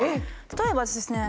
例えばですね